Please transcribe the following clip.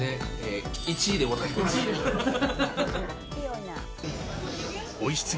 １位でございます。